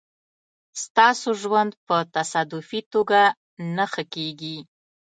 ستاسو ژوند په تصادفي توګه نه ښه کېږي.